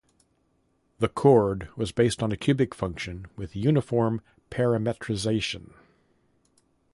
The cord was based on a cubic function with uniform parametrization.